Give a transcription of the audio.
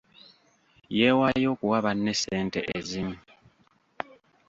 Yeewaayo okuwa banne ssente ezimu.